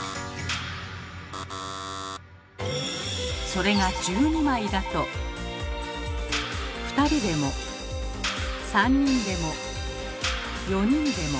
それが１２枚だと２人でも３人でも４人でも。